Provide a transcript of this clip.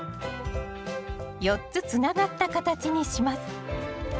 ４つつながった形にします